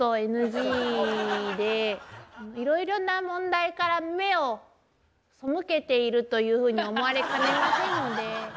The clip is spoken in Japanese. いろいろな問題から目を背けているというふうに思われかねませんので。